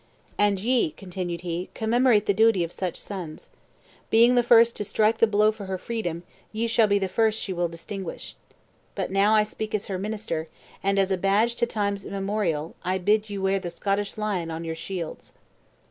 And ye," continued he, "commemorate the duty of such sons. Being the first to strike the blow for her freedom, ye shall be the first she will distinguish. I now speak as her minister; and, as a badge to times immemorial, I bid you wear the Scottish lion on your shields."